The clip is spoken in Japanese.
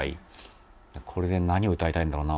これで何を歌いたいんだろうな？